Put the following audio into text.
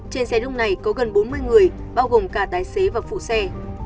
trên xe đúng này có gần bốn mươi người bao gồm cả tái xế và phụ xe